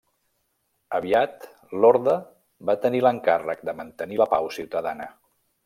Aviat l'orde va tenir l'encàrrec de mantenir la pau ciutadana.